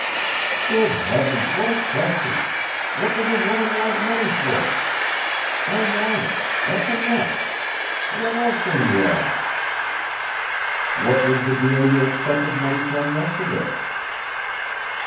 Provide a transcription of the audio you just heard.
"Good heavens, what a question, what does a woman want money for? I want it, that's enough What else will you ask?" "What was the deal you expected money from yesterday?"